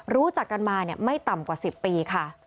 รู้จักกันมาไม่ต่ำกว่า๑๐ปีค่ะ